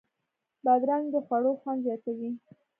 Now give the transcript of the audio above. بادرنګ د خوړو خوند زیاتوي.